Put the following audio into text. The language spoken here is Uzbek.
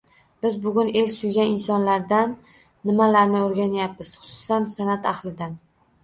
Biz bugun el suygan insonlardan nimalarni o‘rganyapmiz, xususan, san’at ahlidan?